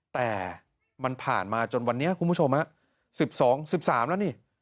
แต่มันผ่านมาจนวันนี้คุณผู้ชมสิบสองสิบสามแล้วนี่